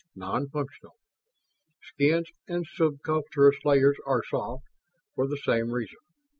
Non functional. Skins and subcutaneous layers are soft, for the same reason.